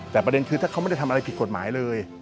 แต่ประเด็นคือถ้าเขาไม่ได้ทำอะไรผิดกฎหมายเลย